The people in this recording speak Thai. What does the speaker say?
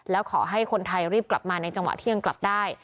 แล้วขอให้คนไทยรีบกลับมาในจังหวะเที่ยงกลับได้